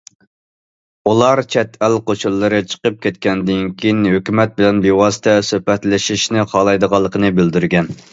ئۇلار چەت ئەل قوشۇنلىرى چىقىپ كەتكەندىن كېيىن، ھۆكۈمەت بىلەن بىۋاسىتە سۆھبەتلىشىشنى خالايدىغانلىقىنى بىلدۈرگەن.